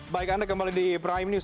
baik anda kembali di prime news